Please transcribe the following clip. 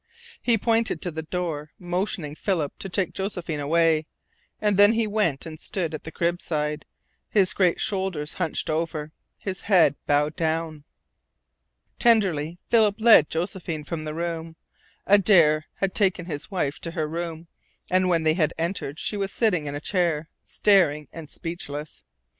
He pointed to the door, motioning Philip to take Josephine away, and then he went and stood at the crib side, his great shoulders hunched over, his head bowed down. Tenderly Philip led Josephine from the room. Adare had taken his wife to her room, and when they entered she was sitting in a chair, staring and speechless.